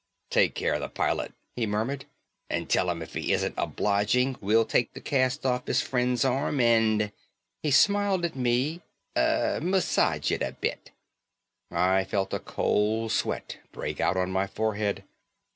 "Take care of the pilot," he murmured, "and tell him if he isn't obliging we'll take the cast off his friend's arm and " he smiled at me, "massage it a bit." I felt a cold sweat break out on my forehead.